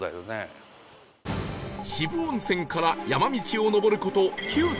渋温泉から山道を上る事